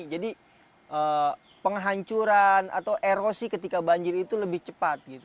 jadi penghancuran atau erosi ketika banjir itu lebih cepat